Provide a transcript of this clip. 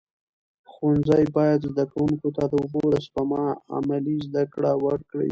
ښوونځي باید زده کوونکو ته د اوبو د سپما عملي زده کړه ورکړي.